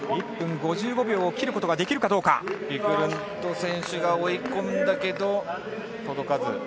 １分５５秒を切ることができビクルンド選手が追い込んだけど、届かず。